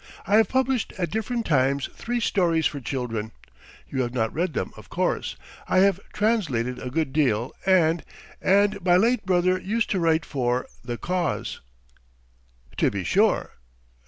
. I have published at different times three stories for children. ... You have not read them, of course. ... I have translated a good deal and ... and my late brother used to write for The Cause." "To be sure